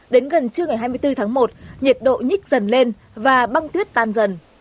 đến gần trưa ngày hai mươi bốn tháng một nhiệt độ nhích dần lên và băng tuyết tan dần